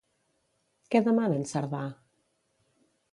Què demana en Cerdà?